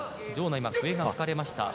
今、笛が吹かれました。